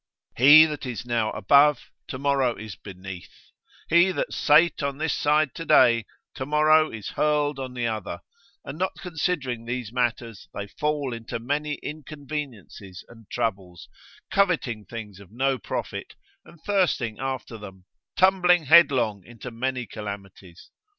He that is now above, tomorrow is beneath; he that sate on this side today, tomorrow is hurled on the other: and not considering these matters, they fall into many inconveniences and troubles, coveting things of no profit, and thirsting after them, tumbling headlong into many calamities.